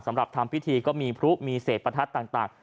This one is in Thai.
สำหรับทำพิธีก็มีพุปมีเศษปรรถัดต่าง